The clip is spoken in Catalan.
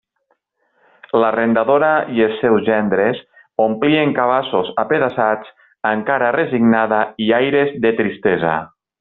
L'arrendadora i els seus gendres omplien cabassos apedaçats amb cara resignada i aires de tristesa.